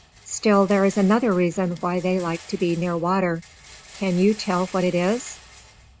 Still, there is another reason why they like to be near water. Can you tell what it is?